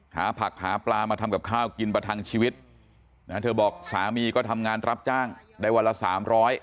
หาผักหาปลามาทำกับข้าวกินประทังชีวิตนะเธอบอกสามีก็ทำงานรับจ้างได้วันละสามร้อย